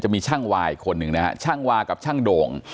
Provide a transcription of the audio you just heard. มีช่างวาอีกคนหนึ่งนะฮะช่างวากับช่างโด่ง